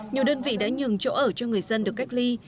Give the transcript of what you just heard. nhiều đơn vị đã nhường chỗ ở cho người dân được cách ly